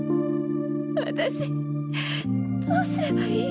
私どうすればいい？